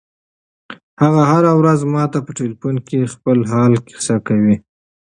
هغه هره ورځ ماته په ټیلیفون کې د خپل حال کیسه کوي.